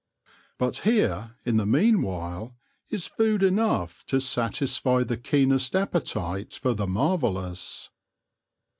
But here, in the meanwhile, is food enough to satisfy the keenest appetite for the mar vellous.